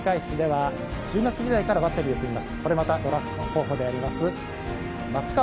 控え室では中学時代からバッテリーを組みます